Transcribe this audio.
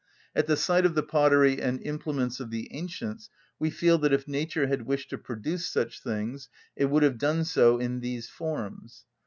At the sight of the pottery and implements of the ancients we feel that if nature had wished to produce such things it would have done so in these forms.